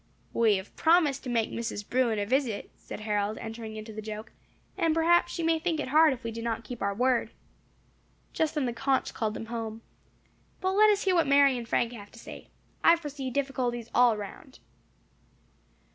"We have promised to make Mrs. Bruin a visit," said Harold, entering into the joke; "and perhaps she may think it hard if we do not keep our word." Just then the conch called them home. "But let us hear what Mary and Frank have to say. I foresee difficulties all around."